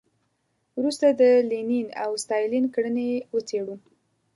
وروسته د لینین او ستالین کړنې وڅېړو.